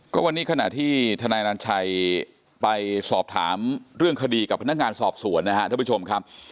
ก็วันนี้ขณะที่ทนายนันชัยไปสอบถามเรื่องคดีกับพนักงานสอบสวนนะครับท่านผู้ชมครับ